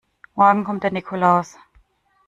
Morgen kommt der Nikolaus.